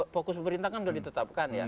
fokus pemerintah kan sudah ditetapkan ya